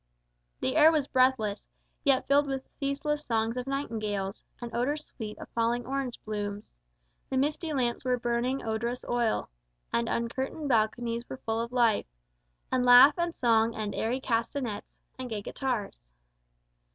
The air was breathless, Yet filled with ceaseless songs of nightingales, And odors sweet of falling orange blooms; The misty lamps were burning odorous oil; The uncurtained balconies were full of life, And laugh and song, and airy castanets And gay guitars.